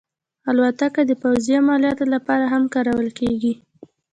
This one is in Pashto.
الوتکه د پوځي عملیاتو لپاره هم کارول کېږي.